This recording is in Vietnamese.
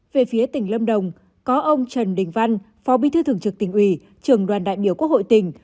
về phía tỉnh lâm đồng có ông trần đình văn phó bí thư thường trực tỉnh ủy trường đoàn đại biểu quốc hội tỉnh